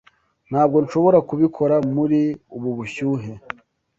Ntabwo nshobora kubikora muri ubu bushyuhe.